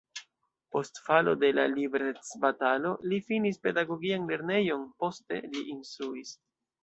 Post falo de la liberecbatalo li finis pedagogian lernejon, poste li instruis.